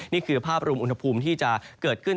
นี่คือภาพรวมอุณหภูมิที่จะเกิดขึ้น